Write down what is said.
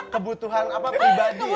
kebutuhan apa pribadi ya